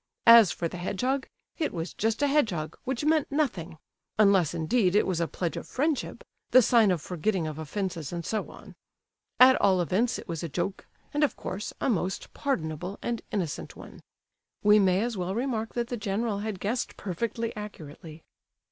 As for the hedgehog, it was just a hedgehog, which meant nothing—unless, indeed, it was a pledge of friendship,—the sign of forgetting of offences and so on. At all events, it was a joke, and, of course, a most pardonable and innocent one. We may as well remark that the general had guessed perfectly accurately.